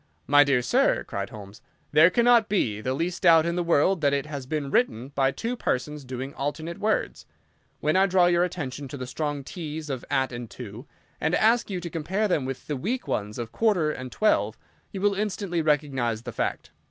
"My dear sir," cried Holmes, "there cannot be the least doubt in the world that it has been written by two persons doing alternate words. When I draw your attention to the strong t's of 'at' and 'to', and ask you to compare them with the weak ones of 'quarter' and 'twelve,' you will instantly recognise the fact.